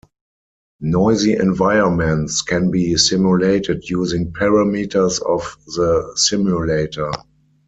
Noisy environments can be simulated using parameters of the simulator.